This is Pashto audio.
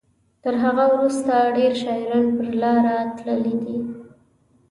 تر هغه وروسته ډیر شاعران پر لاره تللي دي.